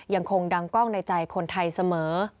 ยังคงดังกล้องในใจคนไทยเสมอ